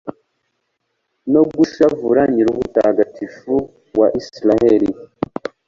no gushavuza Nyir’ubutagatifu wa Israheli